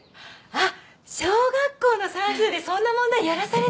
あっ小学校の算数でそんな問題やらされた！